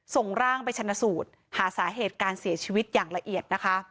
ส่งร่างไปชนะสูตรหาสาเหตุการเสียชีวิตอย่างละเอียดนะคะ